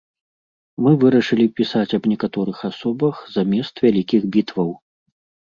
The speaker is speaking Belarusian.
Мы вырашылі пісаць аб некаторых асобах замест вялікіх бітваў.